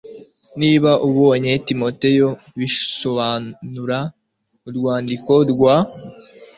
niba ubonye Timoteyo bisobanura urwandiko rwa